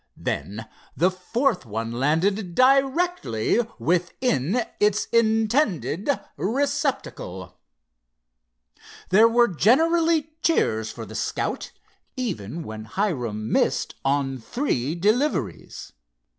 Then the fourth one landed directly within its intended receptacle. There were generally cheers for the Scout, even when Hiram missed on three deliveries.